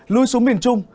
lui xuống miền trung